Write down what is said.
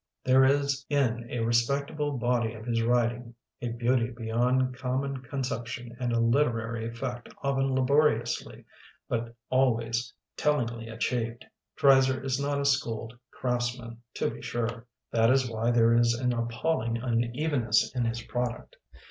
There is in a respectable body of his writing a beauty beyond com mon conception and a literary effect often laboriously but always tellingly achieved. Dreiser is not a schooled craftsman, to be sure. That is why there is an appalling unevenness in his product.